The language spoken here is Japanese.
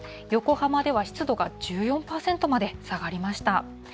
横浜では湿度が１４％まで下がりました。